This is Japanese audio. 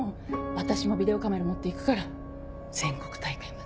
私もビデオカメラ持って行くから全国大会まで。